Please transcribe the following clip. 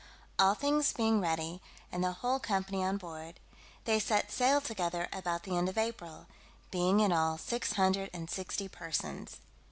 All things being ready, and the whole company on board, they set sail together about the end of April, being, in all, six hundred and sixty persons.